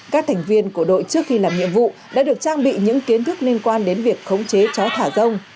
các thành viên của đội trước khi làm nhiệm vụ đã được trang bị những kiến thức liên quan đến việc khống chế chó thả rông